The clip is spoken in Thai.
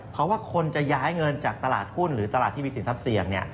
เพราะว่าคนจะย้ายเงินจากตลาดหุ้นหรือตลาดที่มีสินทรัพย์เสี่ยง